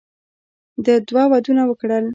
ده دوه ودونه وکړل.